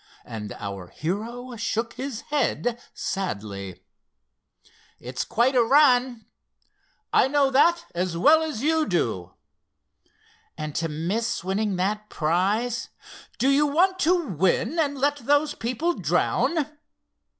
and our hero shook his head sadly. "It's quite a run." "I know that as well as you do." "And to miss winning that prize——" "Do you want to win and let those people drown?"